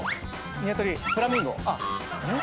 フラミンゴ。